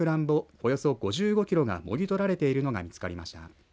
およそ５５キロがもぎ取られているのが見つかりました。